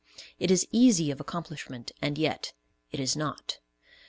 It is easy of accomplishment, and yet it is not.